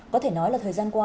có thể nói là thời gian qua